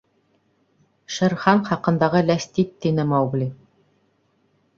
— Шер Хан хаҡындағы ләстит, — тине Маугли.